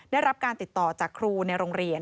ได้รับการติดต่อจากครูในโรงเรียน